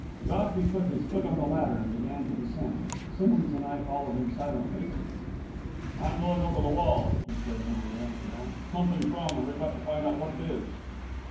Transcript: Godfrey put his foot on the ladder, and began to descend. Simmonds and I followed him silently. "I'm going over the wall," he said, when we were on the ground. "Something's wrong, and we've got to find out what it is."